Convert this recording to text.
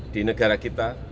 di negara kita